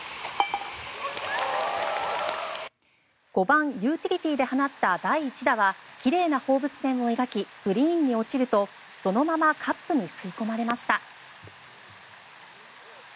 ５番ユーティリティーで放った第１打は奇麗な放物線を描きグリーンに落ちるとそのままカップに吸い込まれました。